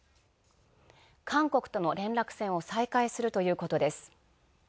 韓国との連絡線を再開するということです。